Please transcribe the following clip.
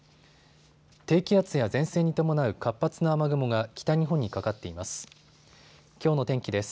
低気圧や前線に伴う活発な雨雲が北日本にかかっています。